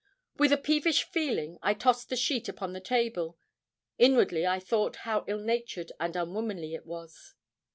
With a peevish feeling I tossed the sheet upon the table. Inwardly I thought how ill natured and unwomanly it was.